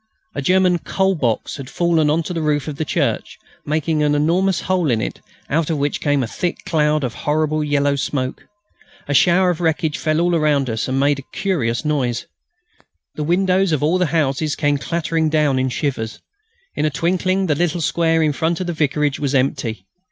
A German "coal box" had fallen on to the roof of the church, making an enormous hole in it, out of which came a thick cloud of horrible yellow smoke. A shower of wreckage fell all around us and made a curious noise. The windows of all the houses came clattering down in shivers. In a twinkling the little square in front of the vicarage was empty.